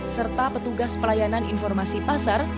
serta petugas pelayanan informasi pasar